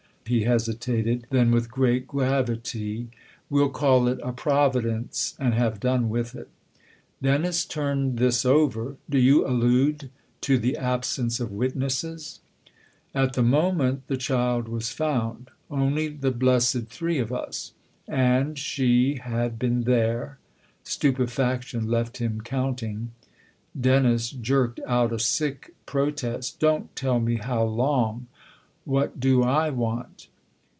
He hesitated; then with great gravity: "We'll call it a providence and have done with it." Dennis turned this over. "Do you allude to the absence of witnesses ?"" At the moment the child was found. Only the THE OTHER HOUSE 287 blessed three of us. And she had been there Stupefaction left him counting. Dennis jerked out a sick protest. " Don't tell me how long ! What do / want